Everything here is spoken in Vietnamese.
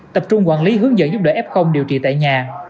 tập trung quản lý hướng dẫn giúp đỡ f điều trị tại nhà